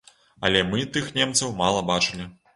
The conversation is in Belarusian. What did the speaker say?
Але мы тых немцаў мала бачылі.